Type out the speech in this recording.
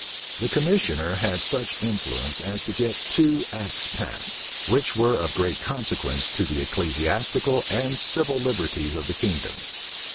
The commissioner had such influence as to get two acts passed, which were of great consequence to the ecclesiastical and civil liberties of the kingdom.